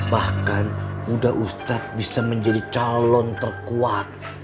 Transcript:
bahkan muda ustadz bisa menjadi calon terkuat